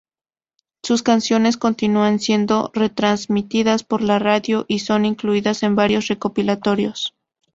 Sus canciones continúan siendo retransmitidas por la radio y son incluidas en varios recopilatorios.